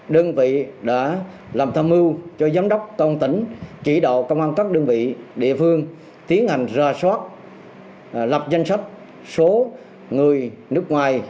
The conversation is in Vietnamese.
đơn vị đã làm tham mưu cho giám đốc công tỉnh chỉ đạo công an các đơn vị địa phương tiến hành ra soát lập danh sách số người nước ngoài